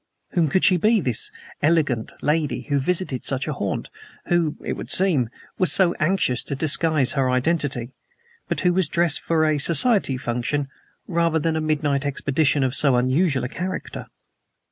Whom could she be, this elegant lady who visited such a haunt who, it would seem, was so anxious to disguise her identity, but who was dressed for a society function rather than for a midnight expedition of so unusual a character?